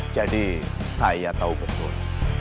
jadi saya tahu betul